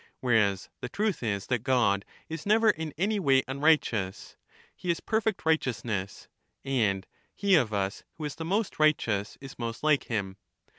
Whereas, the truth is that God is never in any way unrighteous — he is perfect righteousness ; and he of us who is the most righteous is most like him.